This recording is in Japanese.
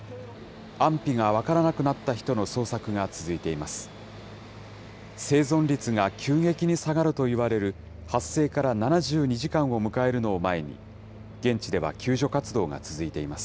安否が分からなくなった人の捜索が続いています。